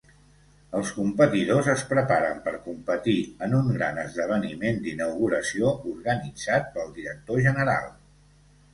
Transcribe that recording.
Els competidors es preparen per competir en un gran esdeveniment d'inauguració organitzat pel director general.